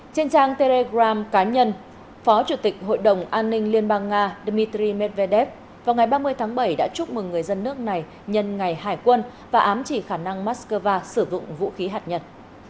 trên trang telegram cá nhân phó chủ tịch hội đồng an ninh liên bang nga dmitry medvedev vào ngày ba mươi tháng bảy đã chúc mừng người dân nước này nhân ngày hải quân và ám chỉ khả năng moscow sử dụng vũ khí hạt nhật